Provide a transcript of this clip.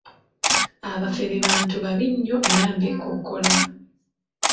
Abafere bantu babi nnyo era mbekokkola.